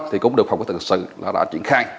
thì cũng được phòng kỹ thuật thực sự đã triển khai